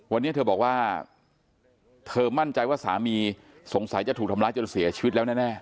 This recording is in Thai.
วันนี้เธอบอกว่าเธอมั่นใจว่าสามีสงสัยจะถูกทำร้ายจนเสียชีวิตแล้วแน่